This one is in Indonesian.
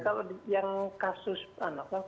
kalau yang kasus